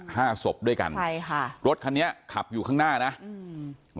ห้าศพด้วยกันใช่ค่ะรถคันนี้ขับอยู่ข้างหน้านะอืม